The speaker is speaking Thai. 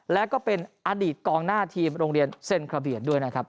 แล้วก็เป็นอดีตกองหน้าทีมโรงเรียนเซ็นคราเบียดด้วยนะครับ